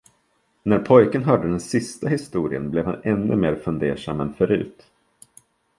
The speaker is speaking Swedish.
När pojken hörde den sista historien blev han ännu mer fundersam än förut.